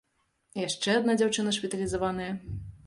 Яшчэ адна дзяўчына шпіталізаваная.